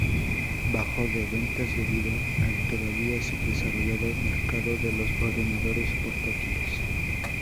Bajó de ventas debido al todavía subdesarrollado mercado de los ordenadores portátiles.